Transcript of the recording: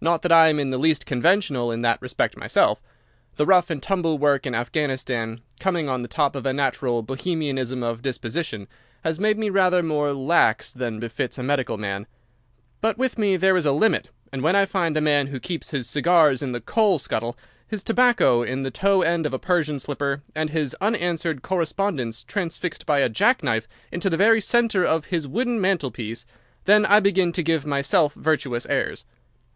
Not that I am in the least conventional in that respect myself. The rough and tumble work in Afghanistan, coming on the top of a natural Bohemianism of disposition, has made me rather more lax than befits a medical man. But with me there is a limit, and when I find a man who keeps his cigars in the coal scuttle, his tobacco in the toe end of a Persian slipper, and his unanswered correspondence transfixed by a jack knife into the very centre of his wooden mantelpiece, then I begin to give myself virtuous airs.